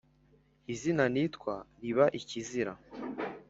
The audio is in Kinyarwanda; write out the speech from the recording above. izina nitwa riba ikizira